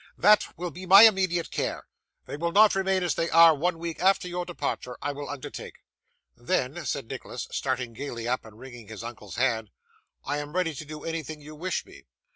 That will be my immediate care; they will not remain as they are, one week after your departure, I will undertake.' 'Then,' said Nicholas, starting gaily up, and wringing his uncle's hand, 'I am ready to do anything you wish me.